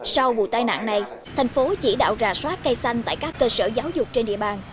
sau vụ tai nạn này thành phố chỉ đạo rà soát cây xanh tại các cơ sở giáo dục trên địa bàn